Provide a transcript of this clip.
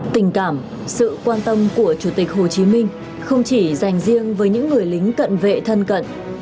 tình cảm sự quan tâm của chủ tịch hồ chí minh không chỉ dành riêng với những người lính cận vệ thân cận